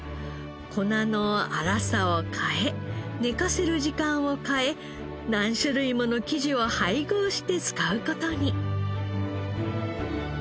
粉の粗さを変え寝かせる時間を変え何種類もの生地を配合して使う事に。